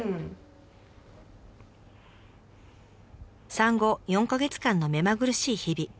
産後４か月間の目まぐるしい日々。